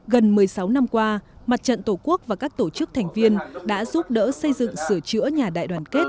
gần một mươi sáu năm qua mặt trận tổ quốc và các tổ chức thành viên đã giúp đỡ xây dựng sửa chữa nhà đại đoàn kết